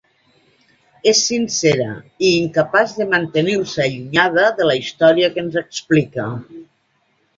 És sincera, i incapaç de mantenir-se allunyada de la història que ens explica.